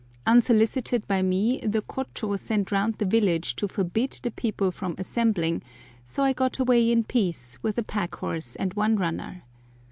Unsolicited by me the Kôchô sent round the village to forbid the people from assembling, so I got away in peace with a pack horse and one runner.